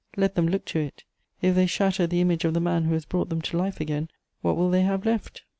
Let them look to it: if they shatter the image of the man who has brought them to life again, what will they have left?